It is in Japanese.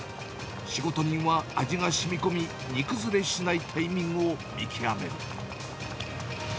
仕事人は味がしみこみ、煮崩れしないタイミングを見極める。